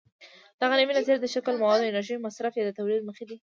دغه نوې نظریې د شکل، موادو، انرژۍ مصرف یا د تولید له مخې وي.